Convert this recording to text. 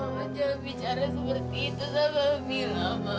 mila mama jangan bicara seperti itu sama mila ma